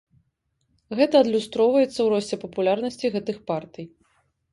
Гэта адлюстроўваецца ў росце папулярнасці гэтых партый.